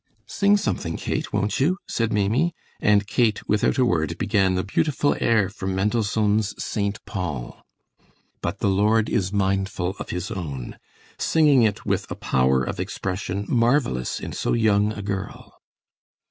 "Sing something, Kate, won't you?" said Maimie, and Kate, without a word began the beautiful air from Mendelssohn's St. Paul: "But the Lord is mindful of His own," singing it with a power of expression marvellous in so young a girl.